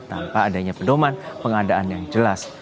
tanpa adanya pedoman pengadaan yang jelas